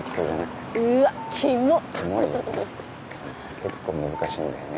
結構難しいんだよね